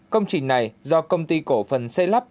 công trình này do công ty cổ phần xây lắp